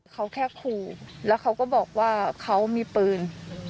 เขาแค่ขู่แล้วเขาก็บอกว่าเขามีปืน